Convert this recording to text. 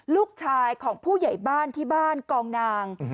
ลูกชายของผู้ใหญ่บ้านที่บ้านกองนาง